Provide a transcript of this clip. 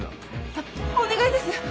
あっお願いです